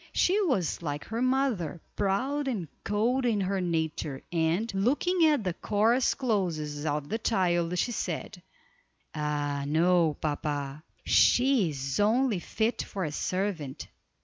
She was like her mother, proud and cold in her nature, and, looking at the coarse clothes of the child, she said: "Ah, no, papa, she is only fit for a servant.